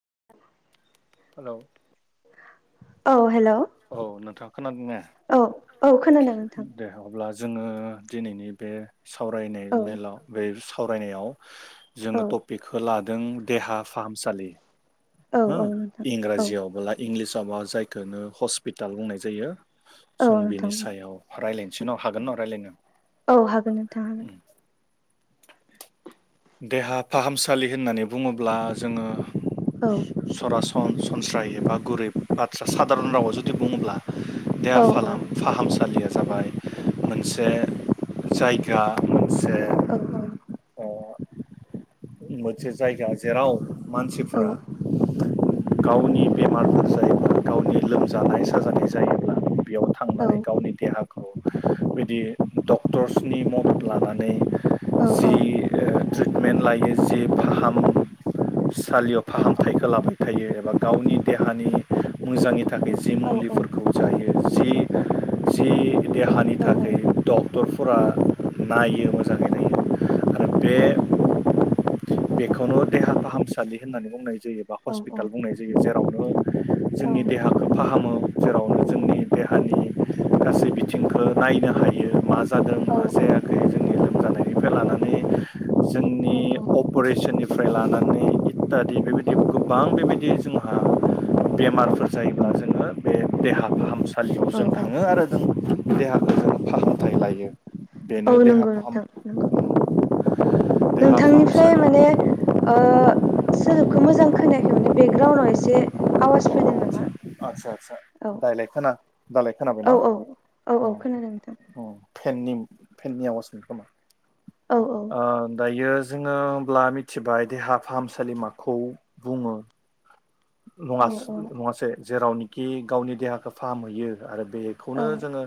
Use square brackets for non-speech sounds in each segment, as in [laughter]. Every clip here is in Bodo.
[inaudible] हेलौ औ हेलौ उम औ नोंथाङ खोनादों ने औ औ खोनादों उम नोंथां दे अब्ला जो जोङो दिनैनि बे सावरायनाय औ मेलाव बे साव सावरायनायाव जोङो औ टपिकखौ ला जों देहा फाहामसालि औ हो औ नोंथां औ इंराजियाव ब्ला इंलिस दाबा जाय थोनो हस्पिटाल बुंनाय जायो। औ जों बिनि नोंथां सायाव रायलायनो थिनाव हागोन न रायलायनो औ हागोन नोंथां हागोन। देहा फाहामसालि होननानै बुङोब्ला जोङो औ सरासन अं सनस्रायै बा गुरैब बाथ्रा सादारन रावा जुदि बुङोब्ला देहा औ फालाम फाहामसालिआ जाबाय मोनसे जायगा मोनसे औ औ। अ मोनसे जायगा जेराव औ मानसिफ्रा गावनि बेमारफोर जायोब्ला गावनि लोमजानाय साजानाय जायोब्ला बेयाव औ थांनानै गावनि देहाफ बिदि डक्टरसनि मदद लानानै जि ओयो ट्रिटमेन्ट लायो जे फाहाम सालियाव फाहामथायखो लाबो। थायो एबा गावनि देहानि मोजांनि था थाखाय जे औ नोंथां औ मुलिफोरखौ जायो। जि जि देहानि औ थाखाय दब। डदफोरा नायो मोजाङै नायो। औ। बेखोनथ। देहा फाहामसालि होननानै बुंनाय जायो बा औ औ हस्पिटोल बुंनाय जायो जेर [unintelligible] हो जोंनि देहाखौ फाहामो जेरावनो जोंनि देहानि गासै बिथिंखौ नायनो हायो मा जादों औ औ नोंथां औ। [unintelligible] जों अप'रेसननि निफ्राय लानानै इतादि बेबायदि गोबां बेबायदि जोंहा बेमारफोर जायोब्ला जोंङो बे देहा फाहामसा सालियाव जों थाङो आरो जों देहाफोरखौ फाहामथाय लायो। बेनो औ देहा नंगौ फाहाम नोंथां नंगौ देहा नोंथांनि फ्राय फाहामसालि माने ओ सोदोबखौ मोजां खोनायाखै माने बेकग्राउ आव एसे आवाज फैदों नामा आतसा आतसा आतचा औ दायलाय खोना दायलाय खोनाबाय औ न? औ औ औ खोनादों नोंथां फेननि फेननि आवाज मोन खोमा। औ औ ओ दायो जोंङो होमब्ला मिथिबाय देहा फाहामसालि माखौ बुङो। नङास से जेरावनोखि गावनि देहाखौ फाहामहैयो आरो बेखौनो जोंङो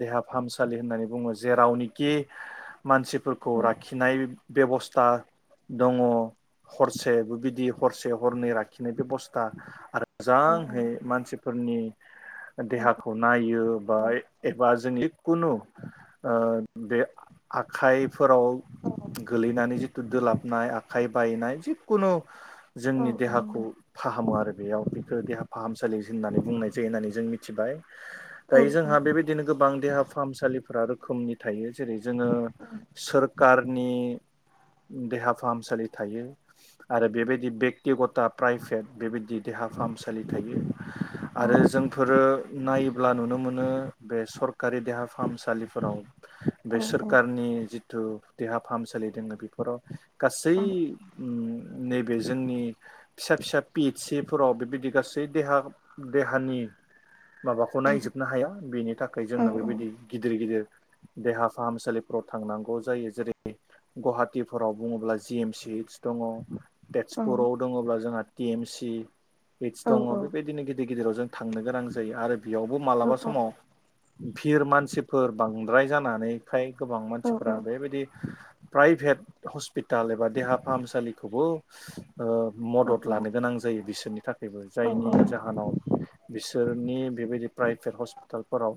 देहा फाहामसालि होननानै बुङो जेेरावनिखि मानसिफोरखौ लाखिनाय बेबस्था दङ हरसेबो बिदि हरसे हरनै लाखिनाय बेबस्था आरो मोजांहै मानसि फोरनि औ देहाखौ नायो बा एबा जोंनि खुनु ओ बे आखाय फोराव औ गोलैनानै जे दोलाबनाय आखाइ बायनाय जिखुनु औ जोंनि औ देहाखौ नंगौ फाहामो आरो बेयाव खो देहा फाहामसालि होननानै बुंनाय जायो होननानै जों मिथिबाय। औ दायो जोंहा बेबायदिनो गो बां देहा फाहामसालिफोरा रोखोमनि थायो जेरै जोङो सोर सरकारनि देहा फाहामसालि थायो आरो बेबायदि बेक्तिगथा प्राइभेट बेबायदि देहा फाहामसालि थायो आरो औ औ जोंफोरो नायोब्ला नुनो मोनो बे सरकारि देहा फाहामसालिफोराव औ बे सोरखारनि जि जिथु देहा फाहामसालि दोङो बेफोराव गासै नुनाय नैबे जोंनि फिसा फिसा पि एत सि फोराव बेबायदि गासै देहा देहानि माबाखौ नायजोबनो हाया बेनि थाखाय जोङो बेबायदि गिदिर गिदिर देहा फाहामसालिफोराव थांनांगौ जायो जेरै गुवाहाटिफोराव बुङोब्ला जि एम इएदस दङ। तेजपुराव दङब्ला जोंहा टि एम सि फेस औ बे दंङ बे बेबानो गिदि गिदेराव जों थांनो गोनां जायो आरो बेयावबो मालाबा समाव भिर मानसिफोर बांद्राय जानानैखाय गोबां औ मानसिफ्रा बेबायदि प्राइभेट हस्पिताल एबा देहा फाहामसालिखौबो ओ औ मदद औ लानो गोनां जायो बिसोरनि जायनि जाहोनाव बिसोरनि बेबायदि प्राइभेट हस्पिटालफोराव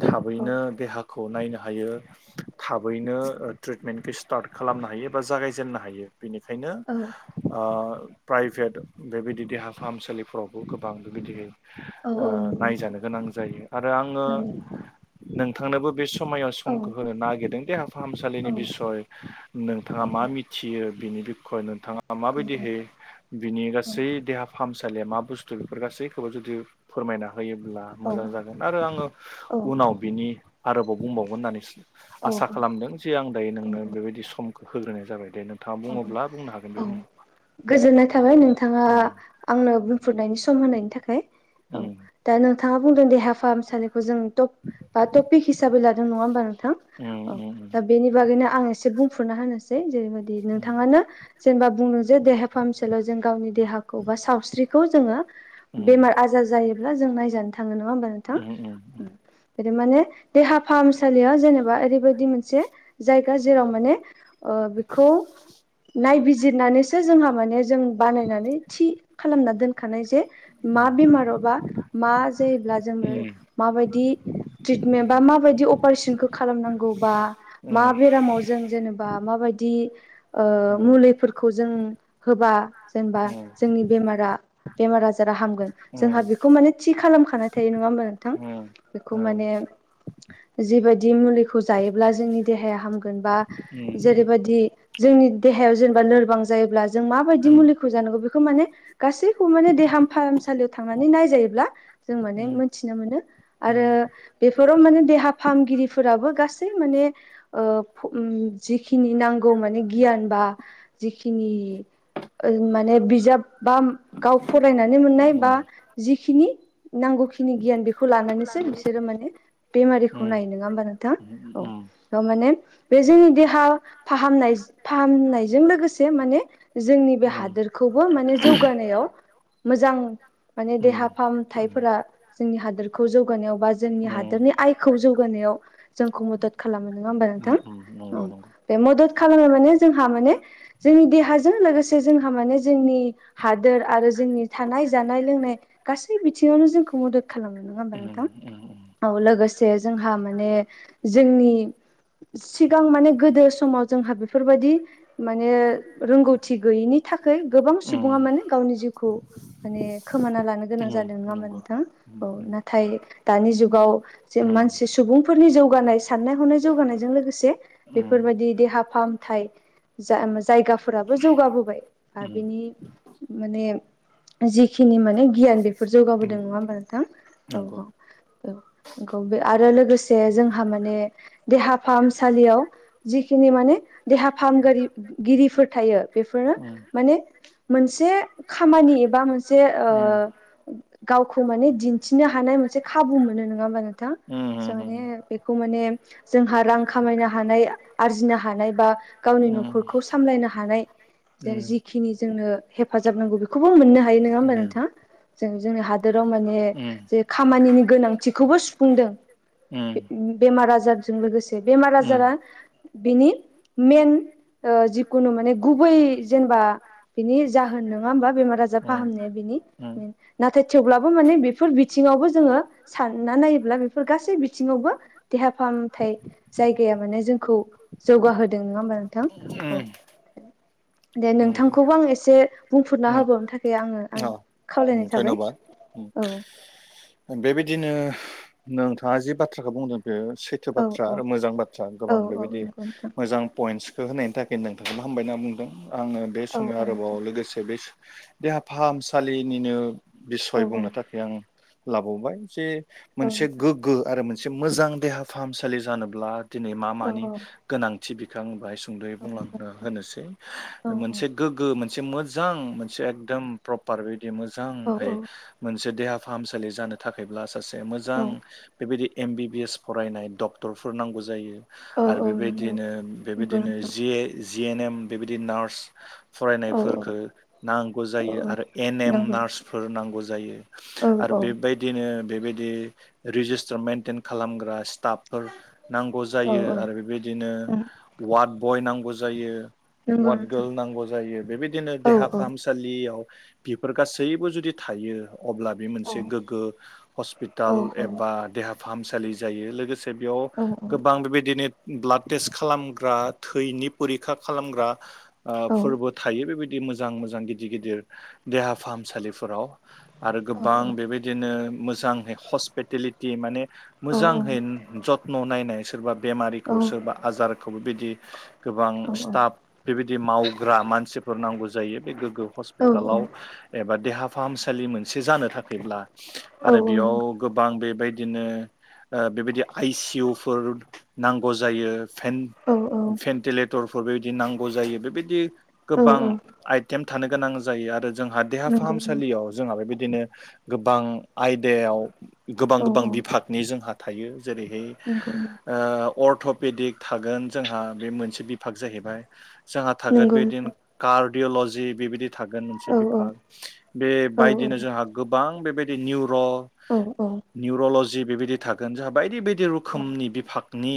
थाबैनो देहा खौ नायनो हायो थाबैनो ट्रिटमेन्ट पिस स्टार खालामनो हायो बा जागाय जेननो हायो बेनिखायनो ओ प्राइभेट बेबायदि देहा फाहामसालिफ्रावबो गोबां बेबादिनो ओ नंगौ नोंथां नायजानो गोनां जायो आरो आङो नंगौ नोंथांनोबो बे सु ‌ समायाव औ समखौ होनो नागिरदों देहा औ फाहामसालिनि बिसय औ नोंथाङा मा मिथियो बिनि [inaudible] थाङा औ माबायदिहै बिनि गासै देहा फाहामसालिया मा बुस्थु बेफोर गासैखौबो जुदि फोरमायना होयोब्ला औ मोजां जागोन। आरो आङो उनाव बिनि आरोबाव बुंबावगोन होननानै आसा खालामदों जे आं दायो नोंनो बेबायदि सम होग्रोनाय जाबाय। दे नोंथाङा औ बुङोब्ला बुंनो हागोन बे औ समाव गोजोननाय थाबाय नोंथाङा आंनो बुंफुरनायनि सम होनायनि थाखाय। उम। थाङा बुंदों देहा फाहामलिखौ जों टप बा टपिक हिसाबै लादों। नङा होमबा नोंथां? उम औ उम दा बेनि बागैनो आं एसे बुं फुरना होनोसै। जेरै नोंथाङानो जेनेबा बुंदों जे देहा फाहामसा लियाव जों गावनि देहाखौ बा सावस्रिखौ जोङो उम बेमार आजार जायोब्ला जों नायजानो थाङो नङा होमबा नोंथां? उम उम उम बिदि माने देहा फाहामसालियाव जेनेबा ओरैबायदि मोनसे जाय दा जेराव माने ओ बे खौ नायबिजिरनानैसो जोंहा माने जों बानायनानै थि खालामना दोन खानाय जे मा बेमारावबा मा जा जायोब्ला जोङो माबायदि ट्रिटमेन्ट बा माबायदि अपारेशनखौ खालामनांगौबा मा बेरामाव जों जेनेबा माबाय दि ओ मुलिफोरखौ जों होबा जेनेबा जोंनि बेरामा बेमार आजारा‌ हामगोन। जोंहा बेखौ माने थि खालामखानाय थायो नङा होमबा नोंथां? उम बेखौ माने जिबायदि मुलिखौ जायोब्ला जोंनि‌ देहाया हामगोन बा जेरैबा दि जोंनि देहायाव जों लोरबां जायोब्ला जों माबायदि मुलिखौ जानांगौ बे खौ माने गासैखौबो माने देहा फाहामसालियाव थांनानै नायजायोब्ला जों माने मोन्थिनो मोनो। आरो बेफोराव माने देहा फाहामगिरिफोराबो गासै माने ओ फम जिखिनि नां गौ माने गियान बा जिखिनि ओ माने बिजाब बा गाव फरायनानै मोननाय बा जिखिनि नांगौखिनि गियान बेखौ लानानैसो बिसोरो माने बेमारिखौ नायो। नोङा होमबा नोंथां? औ दा माने बे जोंनि देहा फाहामनाय फाहामनायजों लोगोसे माने जोंनि बे हादोरखौबो माने जौगानायाव मोजां माने देहा फाहामथाइफोरा जोंनि हादोरखौ जौगानायाव बा जोंनि उम हादोरनि आइखौ जौगानायाव जोंखौ मदद खालामो नङा होमबा नोंथां उम उम औ नंगौ नंगौ बे मदद खालामो माने जोंहा माने जोंनि देहाजों लोगोसे जोंहा माने जोंनि हादोर आरो जोंनि थानाय जानाय लोंनाय गासै बिथिङावनो जोंखौ मदद खालामो नङा होमबा उम नोंथां उम उम औ लोगोसे जोंहा माने जोंनि सिगां माने गोदो समाव जोंहा बेफोरबायदि माने रोंगौथि गैयिनि थाखाय गोबां सुबुङा उम माने गावनि जिउखौ माने खोमाना लानो गोनां उम जादों नङामोन नंगौ नोंथां उम औ उम नाथाय दानि जुगाव जे मानसि सुबुंफोरनि जौगानाय साननाय हनाय जौगानायजों लोगोसे बेफोरबायदि देहा फाहामथाय जाय जायगाफोराबो जौगाबोबाय बा बिनि माने जिखिनि माने गियान बेफोर जौगाबोदों नङा होमबा नोंथां औ नंगौ औ औ [unintelligible] आरो लोगोसे जोंहा माने देहा फाहामसालियाव जि माने देहा फाहामगारि गिरिफोर थायो बेफोरनो उम, माने मोनसे खामानि एबा मोनसे उम, ओ गावखौ माने दिनथिनो हानाय मोनसे खाबु मोनो नङा होनबा नोंथां स उम, माने उम, बेखौ माने जोंहा रां खामायनो हानाय बुजिनो हानाय बा गावनि उम, न'खरखौ सामलायनो हानाय उम, जिखिनि जोंनो हेफाजाब नांगौ बेखौबो मोननो हायो नङा उम, होमबा नोंथाङा जों जोंनि हादोराव माने उम, जे खामानिनि गोनांथिखौबो सुफुंदों बे उम, बेमार आजारजों लोगोसे बेमार आजारा बिनि मेन ओ जिखुनु माने गुबै जेनेबा बिनि जाहोन नङा होमबा बेमार आजार उम, फाहामनाया बिनि उम, नाथाय थेवब्लाबो माने बेफोर बिथिङावबो जोङो सानना नायोब्ला बेफोर गासै बिथिङावबो देहा फाहामथाय जायगाया माने जोंखौ जौगाहोदों नङा होमबा नोंथां औ उम, दे नंगौ नोंथांखौबो आं एसे बुंफुरना उम, होबावनो थाखाय आङो आं अ, खावलायनाय उम, था धन्यबाद बेबायदिनो नोंथाङा जि बाथ्राखौ बुंदों बे सैथो औ बाथ्रा औ आरो मोजां बाथ्रा औ गोबां औ बेबायदि नंगौ नोंथां मोजां पइन्टस स होनायनि थाखैनो नोंथांखोबो हामबाय होनना बुंदों आङो बे औ समाव आरोबाव नोंथां लोगोसे बेस देहा फाहामसालिनिनो औ बिसय औ बुंनो थाखाय आं लाबावबाय जे औ मोनसे नोंथां गोग्गो आरो मोन से मोजां देहा फाहामसालि जानोब्ला दिनै मा औ मानि गोनां थि बिखां बायस सुंदयै औ नंगौ बुंलांनो नोंथां होनोसै औ मोनसे गोगो मोन से मोजां मोनसे एकदम प्रपार बेबादि मोजां औ औ फाय मोनसे देहा फाहामसालि जानो थाखायैब्ला सासे मोजां नंगौ बेबायदि एम बि बि एस फरायनाय डक्टरफोर नांगौ जायो। आरो नंगौ बेबायदियैनो बेबायदिनो नोंथां जि ए जि एन एम बेबायदि नार्स औ औ फरायनायफोरखो नांगौ औ जायो आरो एन एम नंगौ नार्स फोर नांगौ जायो औ आरो औ बेबायदियैनो बेबाय दि रेजिस्टार मेन्टेन खालामग्रा स्टाफफोर नांगौ औ जायो औ आरो बेबायदियैनो वार्ड बय नां गौ जायो। नंगौ वाद नोंथां गोल नांगौ जायो बेबायदिनो औ देहा औ औ फाहामसालियाव बेफोर गासैबो जुद दि थायो अब्ला बे औ औ मोनसे औ औ गोग्गो हस्पिटाल एबा औ देहा फाहामसालि जायो लोगोसे बेयाव गोबां बेबायदिनो ब्लाड टेस्ट खालामग्रा थैनि फरिखा खालामग्रा ओ फोरबो थायो बेबायदि मो जां मोजां गिदिर गिदिर देहा फाहामसालिफो राव आरो गोबां बेबायदिनो मो जांहै हस्पिटेलिटि माने मोजांहै जथन' नायनाय [unintelligible] बेमारिखौ सोरबा आजारखौबो बिदि गोबां स्टाफ बेबायदि मावग्रा मानसि फोर नांगौ जायो बे गो हस्पिटालाव एबा देहा फाहामसालि मोनसे जानो थाखायब्ला आरो बेयाव गोबां बेबाय दिनो ओ बेबायदि आइसि इउ फोर नांगौ जायो। भेन-भेन्टिलेटर फोर बेबायदि नांगौ जायो बेबायदि गोबां आइटेम थानो गोनां जायो आरो जोंहा देहा नंगौ फाहामसा लियाव जोंहा बि दिनो गोबां आयदायाव गोबां औ गोबां औ बिफागनि जोंहा थायो। जेरैहाय नंगौ ओ अर्थ'पेदिक थागोन जोंहा बे मोनसे बि फाग जाहैबाय जोंहा थागोन नंगौ बेदिनो नोंथां कार्द किअ'लजि बिबायदि थागोन मोनसे औ औ बिफाग औ बेबायदिनो जोंहा गोबां बेबायदि निउ अ औ निउर'लजि बेबायदि थागोन जोंहा बायदि बाय दि रोखोमनि बिफाग नि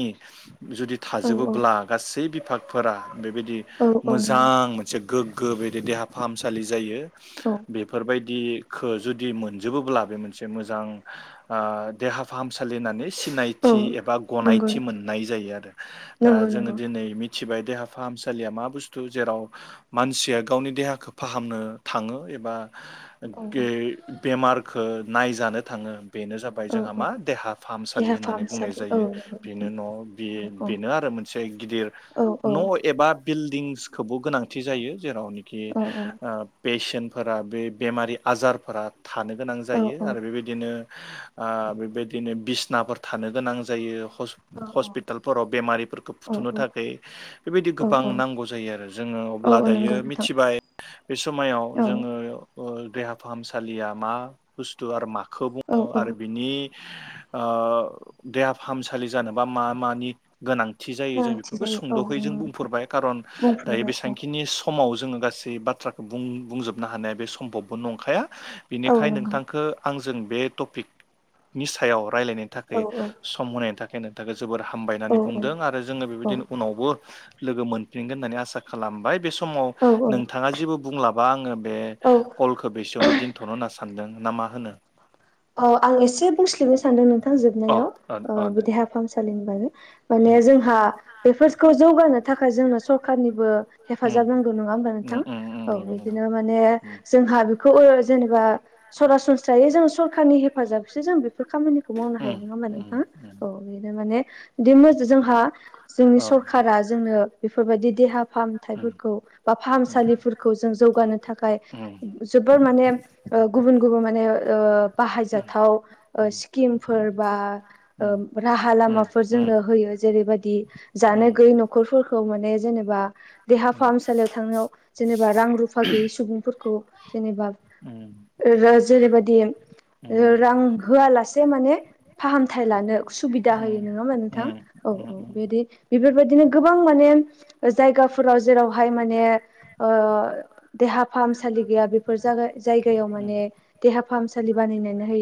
जुदि औ औ औ थाजोबोब्ला गासै बिफागफोरा बेबायदि औ औ मोजां नंगौ मोनसे गोग्गो बेबायदि देहा फाहामसालि जायो औ बायदिखो जुदि मोनजोबोब्ला बे मोनसे मोजां ओ फाहामसालि होननानै सिनायथि औ एबा नंगौ गनायथि मोननाय जायो आरो दा नंगौ जोङो नंगौ दिनै मि मिथिबाय देहा फाहामसालिया मा बुस्थु जेराव मानसिया गावनि देहाखौ फाहामनो थाङो एब बा औ गे बेमार खो नायजानो थाङो बेनो जाबाय औ जोंहा औ मा देहा फाहामसालि देहा होननानै बुंनाय फाहामसालि औ जायो नंगौ बेनो नोंथां न' बे औ बेनो आरो मोनसे गिदिर औ औ न' एबा बिल दिंसखौबो गोनांथि जायो जेरावनोखि औ ओ पेसेन्ट फोरा बे बेमारि आजारफोरा थानो गोनां औ जायो आरो बेबायदिनो ओ बेबायदिनो बिसनाफोर थानो गोनां जायो हब हस्पिटालफोराव बेमारिफोरखौ फुथुनो थाखाय बेबायदि औ गोबां नांगौ जायो आरो जोङो औ अब्ला औ दायो नंगौ नोंथां मिथिबाय बे समाय औ जोङो [unintelligible] देहा फाहामसालिया मा बुस्थु आरो मा खौ औ बुङो आरो औ बिनि ओ देहा फाहामसालि जानोबा मा मानि गोनां थि जायो जों गोनांथि बेफोरखौ जायो औ सुंद'खै जों नंगौ नोंथां बुंफोरबाय खारन दायो बुंफोरबाय औ बेसांखिनि समाव जोङो गासै सै बाथ्राखौ बुं बुंजोब नो हानाया बे सम्भबबो नंखाया औ बेनिखायनो नंगौ नोंथांखौ आं जों बे टपिकनि सायाव रायलायनो औ थाखाय सम होनायनि थाख थाखाय नोंथांखौ जोबोर हामबाय औ होननानै बुंदों आरो जोङो बेबायदिनो औ उनावबो लोगो मोनफिनगोन होननानै आसा खालामबाय बे सम समाव औ नोंथाङा जेबो बुंलाबा आङो ए औ कलखौ बेसेयावनो दिनथ'नो होनना सान नोंथां ना मा होनो औ आं एसे बुंस्लिमनोस सानदों नों थां अ जोबनायाव अ अ ओ दे बि देहा फाहामसा सालिनि बागै उम माने जोंहा बेफोरखौ जौगानो थाखाय जोंनो सरखारनिबो उम हेफाजाब नांगौ नङा होमबा उम नोंथां उम औ नंगौ नंगौ बिदिनो माने उम जोंहा बेखौ ओ जेनेबा सरासनस्रायै जों सर खारनि हेफाजाबसो जों बेफोर खामानिखौ मावनो हायो नङा होमा उम उम नोंथाङा औ उम बेनो माने दिमोजो जों हा जोंनि औ उम सरखारा जोंनो बेफोरबायदि देहा उम फाहामथायफोरखौ बा उम फाहामसालिफोरखौ जों जौगानो थाखाय उम उम जोबोर माने गुबुन गुबुन माने ओ बाहायजाथाव ओ उम स्किमफोर बा उम ओ राहा उम लामा फोर उम जोंनो होयो जेरैबायदि जानो गैयै न'खरफोरखौ माने जेनेबा देहा फाहामसालियाव थांनायाव जेनेबा रां रुफा गैयै सुबुंफोरखौ जेनेबा ओरोज जेरै बायदि उम रां होआलासे माने फाहामथाय लानो सुबिदा होयो नङा होमा नोंथां औ उम औ उम बिदि बेफोरबायदिनो गोबां माने जायगाफोराव जेरावहाय माने ओ देहा फाहामसालि गैया बेफोर जा-जायगायाव माने उम देहा फाहामसालि बानायनानै होयो